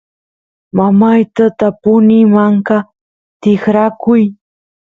mamayta tapuni manka tikrakuy